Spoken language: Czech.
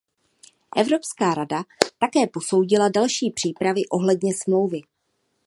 Evropská rada také posoudila další přípravy ohledně smlouvy.